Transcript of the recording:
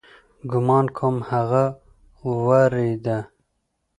ګومان کوم هغه وېرېده.